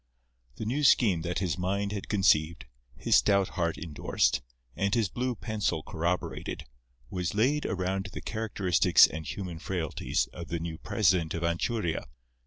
The new scheme that his mind had conceived, his stout heart indorsed, and his blue pencil corroborated, was laid around the characteristics and human frailties of the new president of Anchuria.